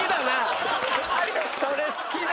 それ好きだな！